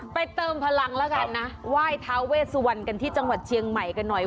เติมพลังแล้วกันนะไหว้ท้าเวสวรรณกันที่จังหวัดเชียงใหม่กันหน่อย